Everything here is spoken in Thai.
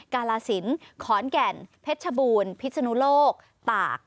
กาลสินขอนแก่นเพชรชบูรณ์พิศนุโลกตาก